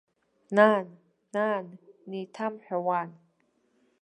Нан, нан, неиҭамҳәа уан.